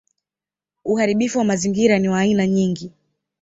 Uharibifu wa mazingira ni wa aina nyingi.